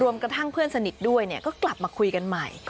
กระทั่งเพื่อนสนิทด้วยก็กลับมาคุยกันใหม่